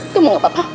kamu gak apa apa